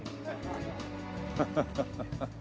ハハハハハ。